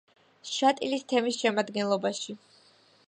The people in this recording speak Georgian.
შატილის თემის შემადგენლობაში.